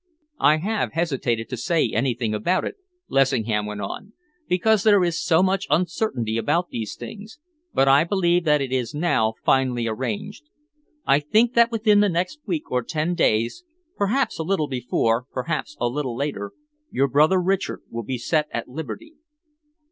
"I have hesitated to say anything about it," Lessingham went on, "because there is so much uncertainty about these things, but I believe that it is now finally arranged. I think that within the next week or ten days perhaps a little before, perhaps a little later your brother Richard will be set at liberty."